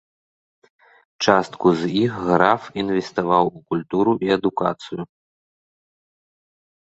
Частку з іх граф інвеставаў у культуру і адукацыю.